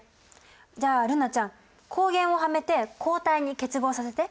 じゃあ瑠菜ちゃん抗原をはめて抗体に結合させて。